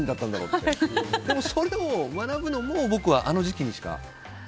でもそれを学ぶのもあの時期にしか。